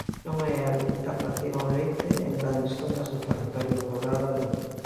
Non hai alternativa ao leite en grandes zonas do territorio rural galego.